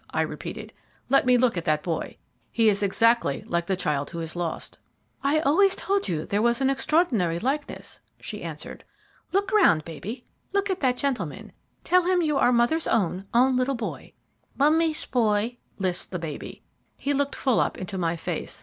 I repeated. "Let me look at that boy. He is exactly like the child who is lost." "I always told you there was an extraordinary likeness," she answered. "Look round, baby, look at that gentleman tell him you are mother's own, own little boy." "Mummy's boy," lisped the baby. He looked full up into my face.